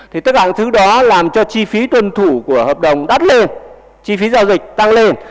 thì tất cả những thứ đó làm cho chi phí tuân thủ của hợp đồng đắt lên